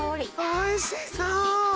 おいしそう！